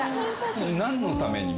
何のために？